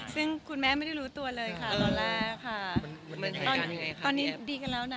ซึ่งคุณแม่ไม่ได้รู้ตัวเลยค่ะตอนแรกค่ะตอนนี้ดีกันแล้วนะ